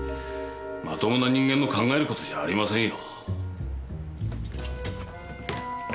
まともな人間の考えることじゃありませんよ。